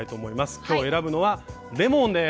今日選ぶのはレモンです。